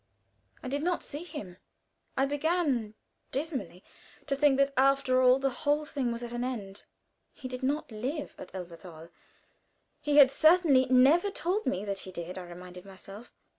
I did not see him. I began dismally to think that after all the whole thing was at an end. He did not live at Elberthal he had certainly never told me that he did, I reminded myself.